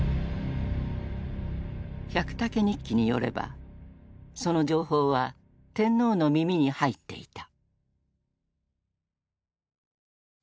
「百武日記」によればその情報は天皇の耳に入っていた。